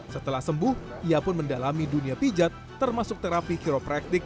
setelah sembuh ia pun mendalami dunia pijat termasuk terapi kropraktik